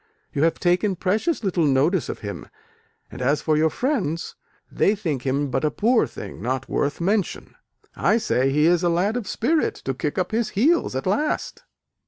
You have taken precious little notice of him, and as for your friends, they think him but a poor thing not worth mention. I say he is a lad of spirit to kick up his heels at last."